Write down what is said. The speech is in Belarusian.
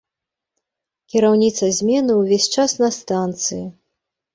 Кіраўніца змены ўвесь час на станцыі.